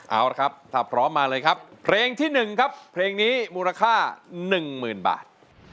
เอาละครับถ้าพร้อมมาเลยครับเพลงที่๑ครับเพลงนี้มูลค่า๑๐๐๐บาท